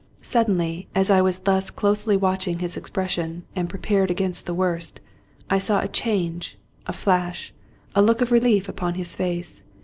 Suddenly, as I was thus closely watching his expression and prepared against the worst, I saw a change, a flash, a look of relief, upon his face.